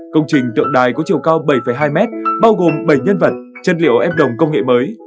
công trình tượng đài có chiều cao bảy hai mét bao gồm bảy nhân vật chất liệu em đồng công nghệ mới